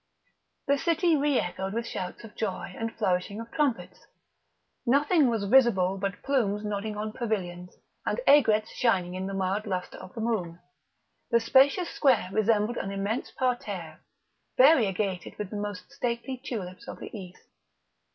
The city re echoed with shouts of joy and flourishing of trumpets; nothing was visible but plumes nodding on pavilions, and aigrets shining in the mild lustre of the moon; the spacious square resembled an immense parterre, variegated with the most stately tulips of the East.